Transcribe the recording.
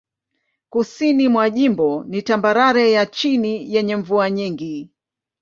Kusini mwa jimbo ni tambarare ya chini yenye mvua nyingi.